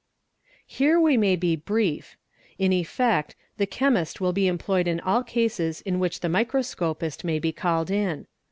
Here we may be brief ; in effect, the chemist will be employed in al cases in which the microscopist may be called in.